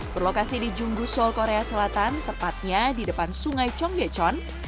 berlokasi di junggu seoul korea selatan tepatnya di depan sungai chong gen